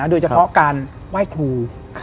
โดยเฉพาะการไหว้ครู